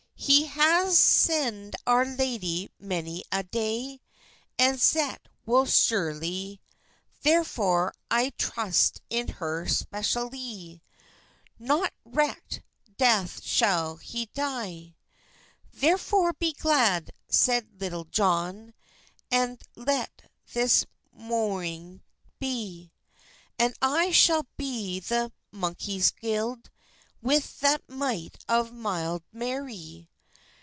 "He has seruyd our lady many a day, And zet wil securly; Therefore I trust in her specialy No wycked deth shal he dye. "Therfor be glad," seid Litul Johne, "And let this mournyng be, And I shall be the munkes gyde, With the myght of mylde Mary.